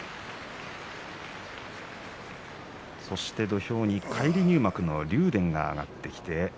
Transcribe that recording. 土俵に返り入幕の竜電が上がってきました。